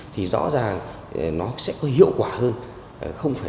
thì rõ ràng nó sẽ có hiệu quả hơn